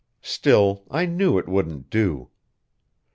Still, I knew it wouldn't do.